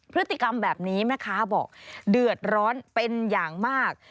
พฤติกรรมแบบนี้แม่ค้าบอกเดือดร้อนเป็นอย่างมาก